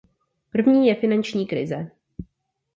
První je finanční krize.